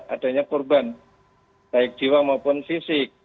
adanya korban baik jiwa maupun fisik